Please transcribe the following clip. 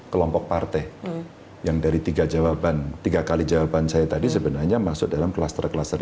kelompok partai yang dari tiga jawaban tiga kali jawaban saya tadi sebenarnya masuk dalam kluster kluster